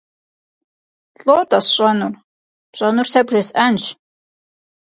- ЛӀо-тӀэ сщӀэнур? - ПщӀэнур сэ бжесӀэнщ.